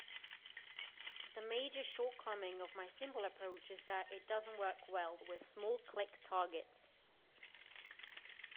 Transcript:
The major shortcoming of my simple approach is that it doesn't work well with small click targets.